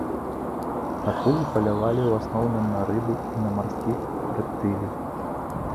Акулы палявалі ў асноўным на рыбу і на марскіх рэптылій.